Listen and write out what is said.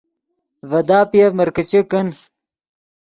ڤے داپیف مرکیچے کن